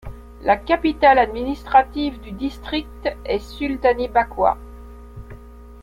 La capitale administrative du district est Sultani Bakwa.